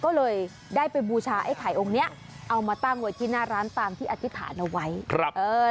ก็เลยได้ไปบูชาไอ้ไข่องค์เนี้ยเอามาตั้งไว้ที่หน้าร้านตามที่อธิษฐานเอาไว้ครับเออ